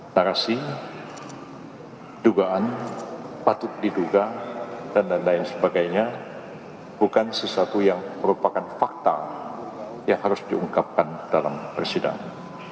narasi dugaan patut diduga dan lain sebagainya bukan sesuatu yang merupakan fakta yang harus diungkapkan dalam persidangan